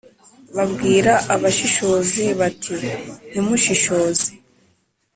Babwira abashishozi bati «Ntimushishoze»,